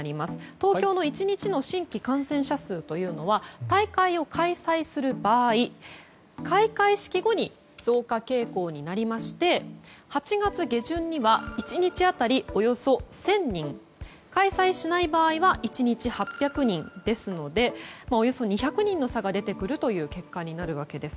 東京の１日の新規感染者数は大会を開催する場合開会式後に増加傾向になりまして８月下旬には１日当たりおよそ１０００人開催しない場合は１日８００人ですのでおよそ２００人の差が出てくる結果になるわけです。